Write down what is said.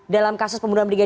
dalam kasus pembunuhan